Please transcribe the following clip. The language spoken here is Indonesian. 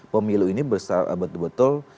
pemilu ini betul betul